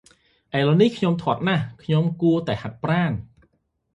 ឥឡូវនេះ ខ្ញុំធាត់ណាស់, ខ្ញុំ គួរតែហាត់ប្រាណ ។